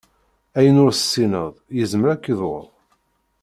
Ayen ur tessineḍ yezmer ad k-iḍurr.